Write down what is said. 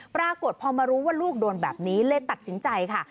ปรากฏพอมารู้ว่าลูกโดนแบบนี้เลยตัดสินใจค่ะ